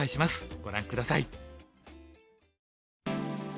ご覧下さい。